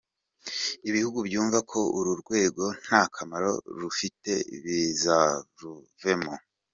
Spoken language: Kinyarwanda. Ibihugu byumva ko uru rwego nta kamaro rufite bizaruvemo!”.